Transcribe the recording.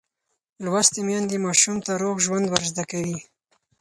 لوستې میندې ماشوم ته روغ ژوند ورزده کوي.